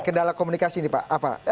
kendala komunikasi ini pak